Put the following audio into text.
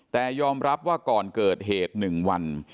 แต่ยอมรับว่าก่อนเกิดเหตุ๑วัน